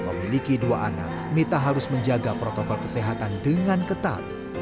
memiliki dua anak mita harus menjaga protokol kesehatan dengan ketat